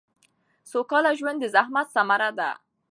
سوکاله ژوند د زحمت ثمره ده